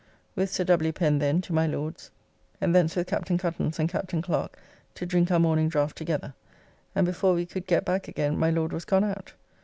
With Sir W. Pen, then to my Lord's, and thence with Capt. Cuttance and Capt. Clark to drink our morning draught together, and before we could get back again my Lord was gone out.